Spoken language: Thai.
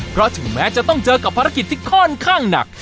เพราะถึงแม้จะต้องเจอกับภารกิจที่ค่อนข้างหนัก